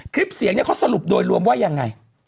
คลิปเสียงเนี่ยเขาสรุปโดยรวมว่ายังไง